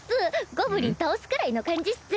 ゴブリン倒すくらいの感じっス。